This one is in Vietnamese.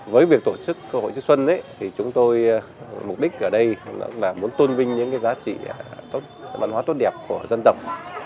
với việc tổ chức hội chữ xuân chúng tôi mục đích ở đây là muốn tôn vinh những giá trị văn hóa tốt đẹp của dân tộc